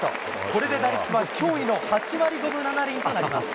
これで打率は驚異の８割５分７厘となります。